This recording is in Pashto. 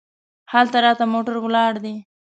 هلته راته موټر ولاړ دی.